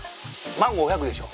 マンゴー１００でしょ？